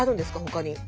ほかに。